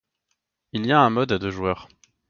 Il y a un mode à deux joueurs.